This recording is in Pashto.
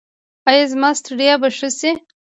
ایا زما ستړیا به ښه شي؟